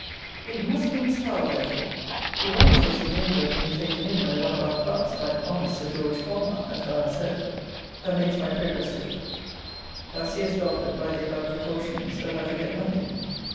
It must be Miss Howe, therefore, [who once was in danger of being taken in by one of our class, by honest Sir George Colmar, as thou hast heard,] that makes my progress difficult. Thou seest, Belford, by the above precautionaries, that I forget nothing.